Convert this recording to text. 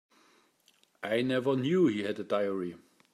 I never knew he had a diary.